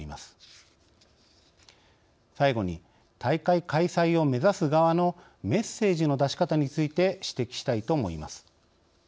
最後に大会開催を目指す側のメッセージの出し方について指摘したいと思います。